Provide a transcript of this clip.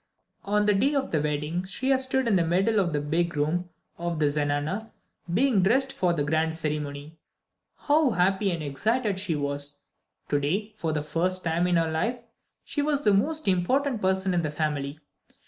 On the day of the wedding, Shriya stood in the middle of the big room of the zenana, being dressed for the grand ceremony. How happy and excited she was! To day, for the first time in her life, she was the most important person in the family.